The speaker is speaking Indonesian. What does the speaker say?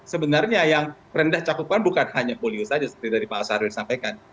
sebenarnya yang rendah cakupan bukan hanya polio saja seperti tadi pak sarwil sampaikan